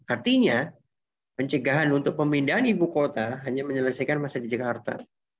artinya pencegahan untuk pemindahan ibu kota hanya menyelesaikan masalah di jakarta